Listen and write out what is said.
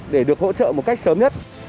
để được hỗ trợ một cách sớm nhất